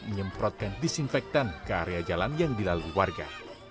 menyemprotkan disinfektan ke area jalan yang dilalui warga